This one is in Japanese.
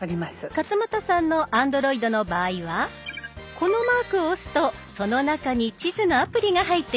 勝俣さんのＡｎｄｒｏｉｄの場合はこのマークを押すとその中に地図のアプリが入っています。